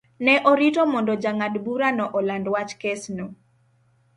Ne orito mondo jang'ad-burano oland wach kesno.